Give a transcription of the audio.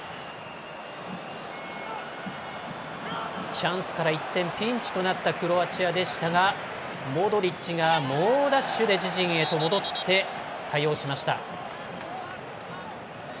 チャンスから一転ピンチとなったクロアチアでしたがモドリッチが猛ダッシュで自陣へと戻って対応しました。